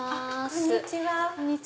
こんにちは。